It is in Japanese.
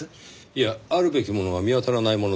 いやあるべきものが見当たらないものですからねぇ。